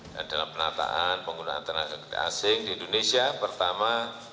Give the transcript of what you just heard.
dan dalam penataan penggunaan tenaga kerja asing di indonesia pertama